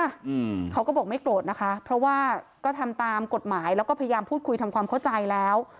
อืมเขาก็บอกไม่โกรธนะคะเพราะว่าก็ทำตามกฎหมายแล้วก็พยายามพูดคุยทำความเข้าใจแล้ว